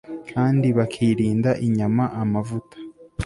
kandi bakirinda inyama amavuta